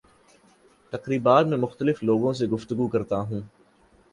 تقریبات میں مختلف لوگوں سے گفتگو کرتا ہوں